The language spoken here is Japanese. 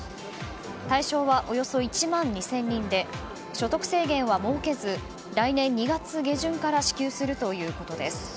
対象はおよそ１万２０００人で所得制限は設けず来年２月下旬から支給するということです。